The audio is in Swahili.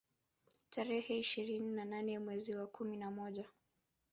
Tarehe ishirini na nane mwezi wa kumi na moja